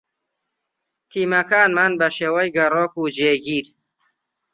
تیمەکانمان بە شێوەی گەڕۆک و جێگیر